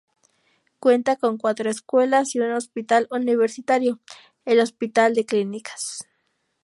Cuenta con cuatro escuelas y un hospital universitario, el Hospital de Clínicas.